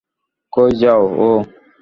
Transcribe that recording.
কই যায় ও?